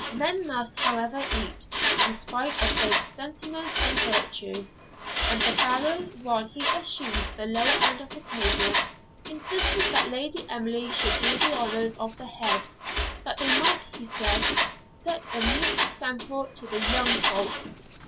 Men must, however, eat, in spite both of sentiment and vertu; and the Baron, while he assumed the lower end of the table, insisted that Lady Emily should do the honours of the head, that they might, he said, set a meet example to the YOUNG FOLK.